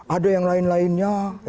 ada yang lain lainnya